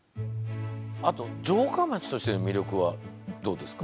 あと城下町としての魅力はどうですか？